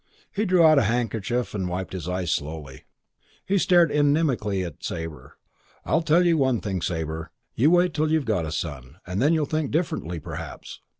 He drew out a handkerchief and wiped his eyes slowly. He stared inimically at Sabre. "I'll tell you one thing, Sabre. You wait till you've got a son, then you'll think differently, perhaps.